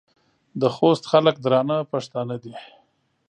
د خوست خلک درانه پښتانه دي.